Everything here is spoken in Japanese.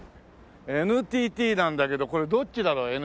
ＮＴＴなんだけどこれどっちだろう？ＮＴＴは。